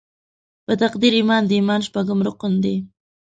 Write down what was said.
په تقدیر ایمان د ایمان شپږم رکن دې.